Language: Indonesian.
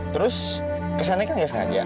terus kesannya kan ya sengaja